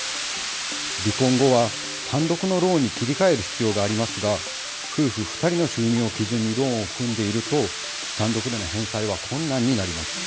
離婚後は単独のローンに切り替える必要がありますが夫婦２人の収入を基準にローンを組んでいると単独での返済は困難になります。